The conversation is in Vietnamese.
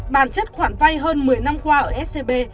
bản chất khoản vay hơn một mươi năm qua ở scb